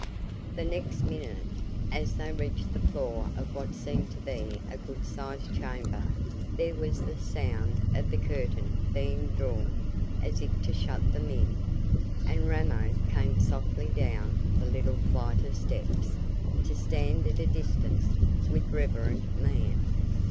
The next minute, as they reached the floor of what seemed to be a good sized chamber, there was the sound of the curtain being drawn as if to shut them in, and Ramo came softly down the little flight of steps, to stand at a distance, with reverent mien.